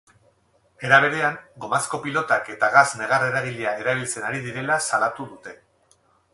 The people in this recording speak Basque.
Era berean, gomazko pilotak eta gas negar-eragilea erabiltzen ari direla salatu dute.